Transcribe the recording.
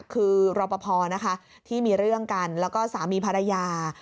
คือรอปภนะคะที่มีเรื่องกันแล้วก็สามีภรรยา